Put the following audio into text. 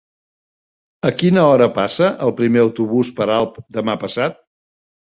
A quina hora passa el primer autobús per Alp demà passat?